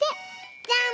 じゃん！